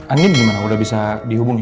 ani gimana udah bisa dihubungi